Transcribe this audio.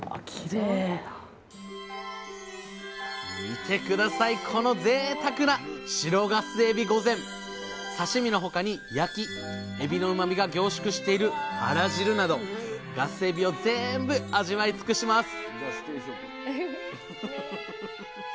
見て下さいこのぜいたくな刺身の他に焼きエビのうまみが凝縮しているあら汁などガスエビを全部味わいつくします！